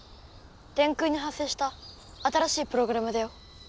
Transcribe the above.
電空に発生した新しいプログラムだよ。